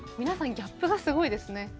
皆さんギャップがすごいですね。